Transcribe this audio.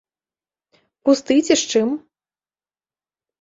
Пусты ці з чым?